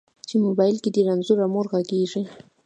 چې موبایل کې دې رنځوره مور غږیږي